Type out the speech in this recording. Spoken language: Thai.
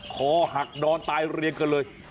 คอหักนอนตายเรียงกันเลย